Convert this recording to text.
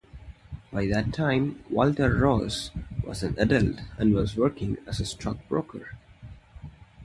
By that time, Walter Ross was an adult and was working as a stockbroker.